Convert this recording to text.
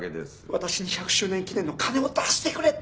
私に１００周年記念の金を出してくれって！